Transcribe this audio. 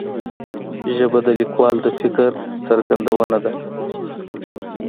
ژبه د لیکوال د فکر څرګندونه ده